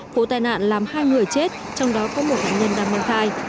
vụ tai nạn làm hai người chết trong đó có một hạ nhân đang mong thai